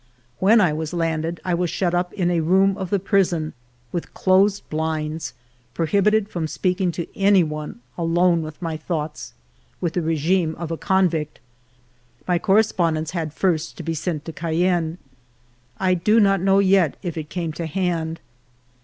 When I was landed, I was shut up in a room of the prison, with closed blinds, prohibited from speaking to any one, alone with my thoughts, with the regime of a convict. My correspond ence had first to be sent to Cayenne. I do not yet know if it came to hand.